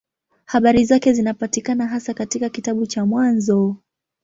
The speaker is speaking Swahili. Habari zake zinapatikana hasa katika kitabu cha Mwanzo.